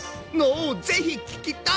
おおぜひ聞きたい！